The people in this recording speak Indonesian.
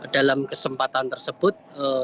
dalam kesempatan tersebut